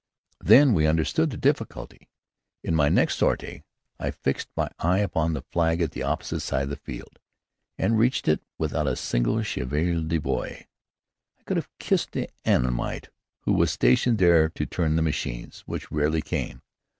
Then we understood the difficulty. In my next sortie, I fixed my eye upon the flag at the opposite side of the field, and reached it without a single cheval de bois. I could have kissed the Annamite who was stationed there to turn the machines which rarely came.